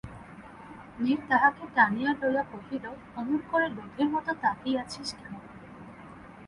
নীর তাহাকে টানিয়া লইয়া কহিল, অমন করে লোভীর মতো তাকিয়ে আছিস কেন?